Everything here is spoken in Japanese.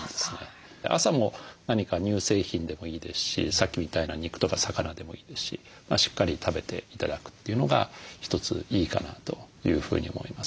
朝も何か乳製品でもいいですしさっきみたいな肉とか魚でもいいですししっかり食べて頂くというのが一ついいかなというふうに思います。